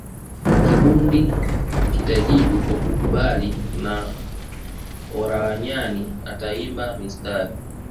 Kikundi kitajibu kwa kukubali na Olaranyani ataimba mistari